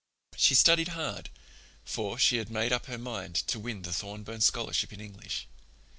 She studied hard, for she had made up her mind to win the Thorburn Scholarship in English.